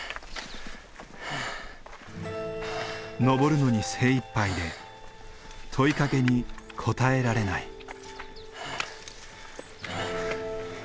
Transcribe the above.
登るのに精いっぱいで問いかけに答えられない。